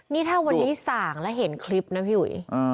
นี่ถ้าวันนี้ส่างแล้วเห็นคลิปนะพี่อุ๋ย